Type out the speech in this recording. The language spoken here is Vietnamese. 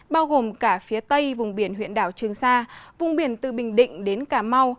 bao gồm cả phía tây vùng biển huyện đảo trường sa vùng biển từ bình định đến cà mau